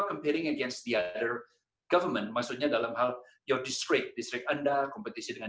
berkompetisi dengan pemerintah lain maksudnya dalam hal distrik anda kompetisi dengan